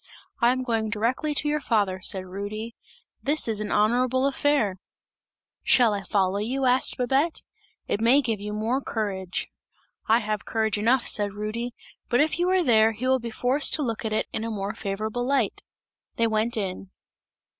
'I am going directly to your father,' said Rudy, 'this is an honourable affair!' 'Shall I follow you?' asked Babette, 'it may give you more courage!' 'I have courage enough,' said Rudy, 'but if you are there, he will be forced to look at it in a more favourable light!' They went in.